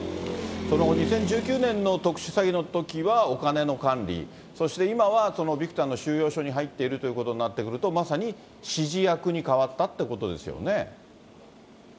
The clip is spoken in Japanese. その２０１９年の特殊詐欺のときはお金の管理、そして今は、ビクタンの収容所に入っているということになってくると、まさに指示役に変わったということですよね。